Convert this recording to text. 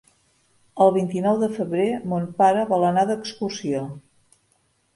El vint-i-nou de febrer mon pare vol anar d'excursió.